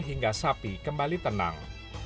hingga sapi kembali tenang